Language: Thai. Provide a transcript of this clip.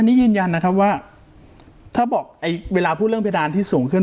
อันนี้ยืนยันนะครับว่าถ้าบอกเวลาพูดเรื่องเพดานที่สูงขึ้น